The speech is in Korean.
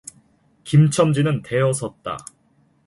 김첨지는 대어섰다.